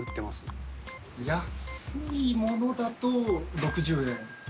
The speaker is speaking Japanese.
安いものだと６０円。